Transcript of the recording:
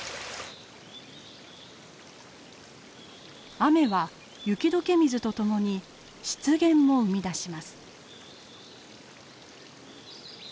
雨は雪解け水と共に湿原も生み出します。